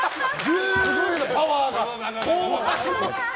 すごいな、パワーが！